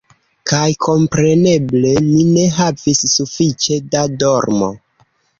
Kaj kompreneble, mi ne havis sufiĉe da dormo.